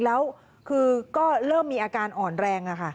แล้วคือก็เริ่มมีอาการอ่อนแรง